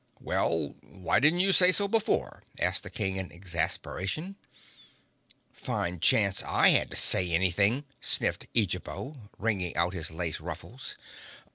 "Well, why didn't you say so before!" asked the King in exasperation. "Fine chance I had to say anything!" sniffed Eejabo, wringing out his lace ruffles.